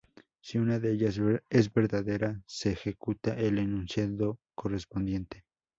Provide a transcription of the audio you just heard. Si una de ellas es verdadera, se ejecuta el enunciado correspondiente.